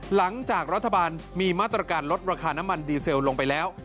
หลังจากรัฐบาลมีมาตรการลดราคาน้ำมันดีเซลลงไปแล้ว